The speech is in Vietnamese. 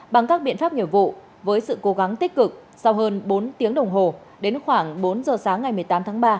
bằng các biện pháp nhiệm vụ với sự cố gắng tích cực sau hơn bốn tiếng đồng hồ đến khoảng bốn giờ sáng ngày một mươi tám tháng ba